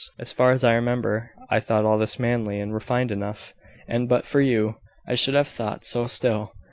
As far as I remember, I thought all this manly and refined enough: and but for you, I should have thought so still.